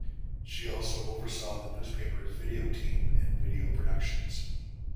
She also oversaw the newspaper's video team and video productions.